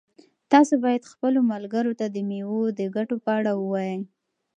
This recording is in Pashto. تاسو باید خپلو ملګرو ته د مېوو د ګټو په اړه ووایئ.